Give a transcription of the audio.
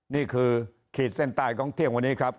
ขีดเส้นใต้ของเที่ยงวันนี้ครับ